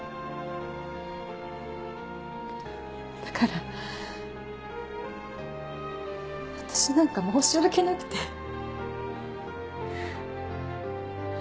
だから私なんか申し訳なくて。